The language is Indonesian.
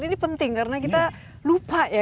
ini penting karena kita lupa ya